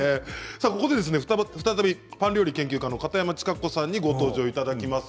ここで再びパン料理研究家の片山智香子さんにご登場いただきます。